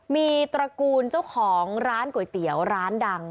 มีตระกูลเจ้าของร้านก๋วยเตี๋ยวร้านดัง